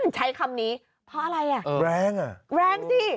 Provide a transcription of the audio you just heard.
ใช้คำนี้เพราะอะไรอ่ะแรงอ่ะแรงสิ